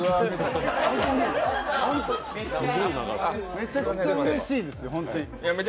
めちゃくちゃうれしいですよ、本当。